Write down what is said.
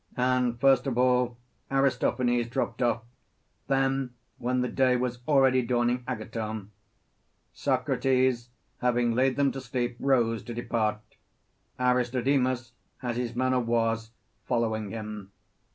And first of all Aristophanes dropped off, then, when the day was already dawning, Agathon. Socrates, having laid them to sleep, rose to depart; Aristodemus, as his manner was, following him.